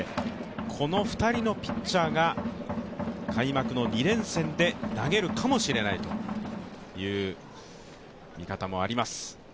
この２人のピッチャーが開幕の２連戦で投げるかもしれないという見方もあります。